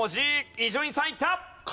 伊集院さんいった。